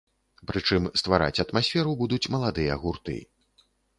Прычым ствараць атмасферу будуць маладыя гурты.